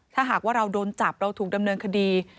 ถ้าหากว่าเราโดนจับเราถูกดำเนินคดี